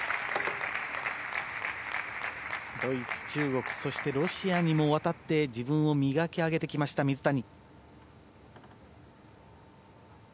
ドイツ、中国そしてロシアにも渡って自分を磨き上げてきました水谷。